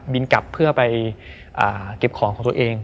กลับเพื่อไปเก็บของของตัวเอง